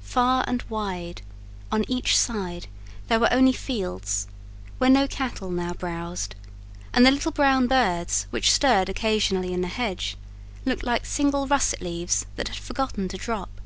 Far and wide, on each side, there were only fields, where no cattle now browsed; and the little brown birds, which stirred occasionally in the hedge, looked like single russet leaves that had forgotten to drop.